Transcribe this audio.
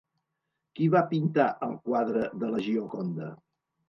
Qui va pintar el quadre de La Gioconda?